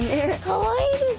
かわいいです。